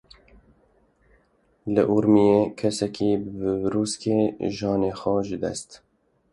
Li Urmiyê kesekî bi brûskê canê xwe ji dest.